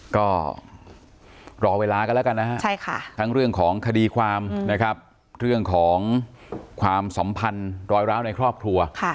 ก็รอเวลากันแล้วกันนะฮะทั้งเรื่องของคดีความนะครับเรื่องของความสัมพันธ์รอยร้าวในครอบครัว